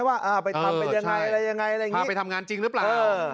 ว่าเอาไงไปถ้างานจริงหรือเปล่า